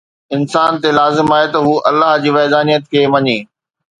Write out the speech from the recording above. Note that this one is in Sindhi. انسان تي لازم آهي ته هو الله جي وحدانيت کي مڃي